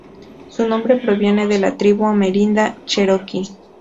Su nombre proviene de la tribu amerindia Cheroqui.